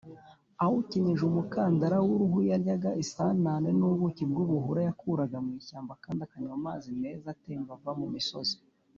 awukenyeje umukandara w’uruhu. Yaryaga ‘‘isanane n’ubuki bw’ubuhura’’ yakuraga mw’ishyamba, kandi akanywa amazi meza atemba ava mu misozi.